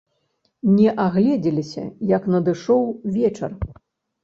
Не агледзеліся, як надышоў вечар.